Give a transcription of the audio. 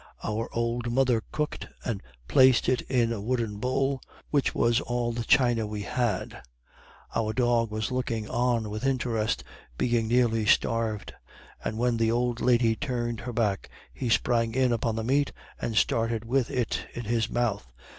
Our old mother cooked and placed it in a wooden bowl, which was all the china we had. Our dog was looking on with interest, being nearly starved; and when the old lady turned her back, he sprang in upon the meat and started with it in his mouth.